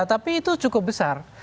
tapi itu cukup besar